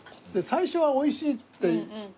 最初は美味しいって。